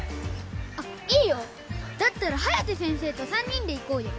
あっいいよだったら颯先生と３人で行こうよ